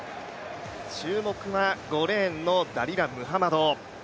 注目は５レーンのダリラ・ムハマド。